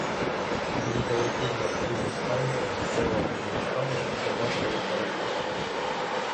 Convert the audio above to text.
Він полетів над тими станціями, селами й містами, де бачили парашут.